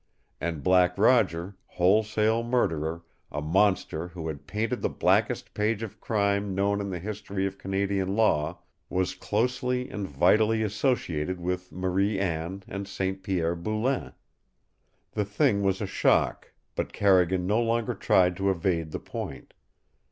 And Black Roger, wholesale murderer, a monster who had painted the blackest page of crime known in the history of Canadian law, was closely and vitally associated with Marie Anne and St. Pierre Boulain! The thing was a shock, but Carrigan no longer tried to evade the point.